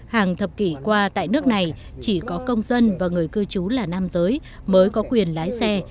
hàng thập kỷ qua tại nước này chỉ có công dân và người cư trú là nam giới mới có quyền lái xe